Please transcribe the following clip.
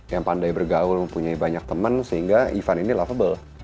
yang pandai bergaul mempunyai banyak teman sehingga event ini lovable